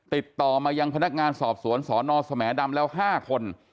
ติดต่อมายังพนักงานสอบสวนสนสแหมดำแล้ว๕คน